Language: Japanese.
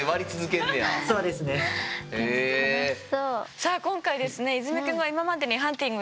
さあ今回ですね